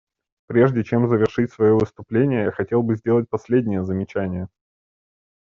Прежде чем завершить свое выступление я хотел бы сделать последнее замечание.